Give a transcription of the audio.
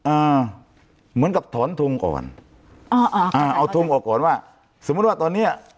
อ่าเหมือนกับถอนทงก่อนอ๋ออ่าอ่าเอาทงออกก่อนว่าสมมุติว่าตอนเนี้ย